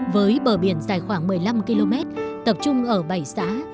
với bờ biển dài khoảng một mươi năm km tập trung ở bảy xã